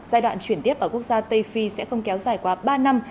giai đoạn chuyển tiếp ở quốc gia tây phi sẽ không kéo dài qua ba năm